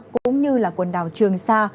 cũng như là quần đảo trường sa